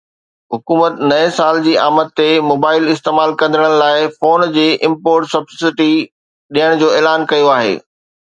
حڪومت نئين سال جي آمد تي موبائيل استعمال ڪندڙن لاءِ فون جي امپورٽ سبسڊي ڏيڻ جو اعلان ڪيو آهي